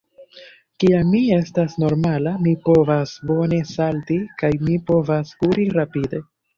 Kiam mi estas normala, mi povas bone salti, kaj mi povas kuri rapide.